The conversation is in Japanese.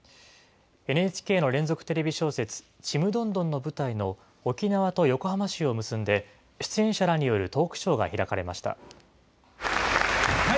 ＮＨＫの連続テレビ小説、ちむどんどんの舞台の沖縄と横浜市を結んで出演者らによるトークショーが開かれました。